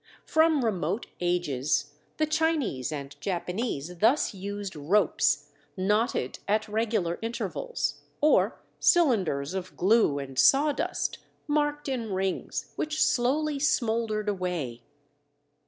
From remote ages, the Chinese and Japanese thus used ropes, knotted at regular intervals, or cylinders of glue and sawdust marked in rings, which slowly smoldered away.